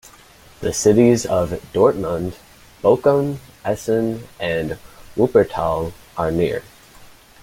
The Cities of Dortmund, Bochum, Essen and Wuppertal are near.